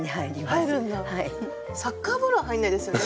サッカーボールは入んないですよね？